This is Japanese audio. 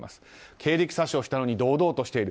経歴詐称しているのに堂々としている。